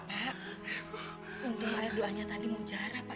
pak untuk air doanya tadi mujara pak